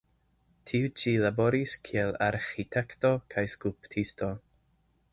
Tiu ĉi laboris kiel arĥitekto kaj skulptisto.